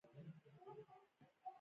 یوریا له مهمو عضوي سرو څخه ده.